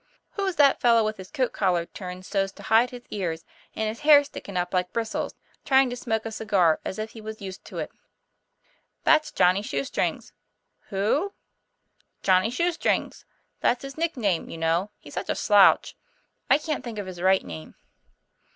'Who's that fellow with his coat collar turned so's to hide his ears, and his hair stickin' up like bristles, trying to smoke a cigar as if he was used to it?" 'That's Johnny Shoestrings." " Who ?" 'Johnny Shoestrings. That's his nickname, you know; he's such a slouch. I can't think of his right name."